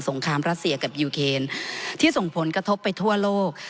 งครามรัสเซียกับยูเคนที่ส่งผลกระทบไปทั่วโลก